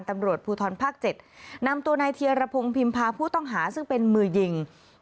ตำรวจภูทรภาค๗นำตัวนายเทียรพงศ์พิมพาผู้ต้องหาซึ่งเป็นมือยิง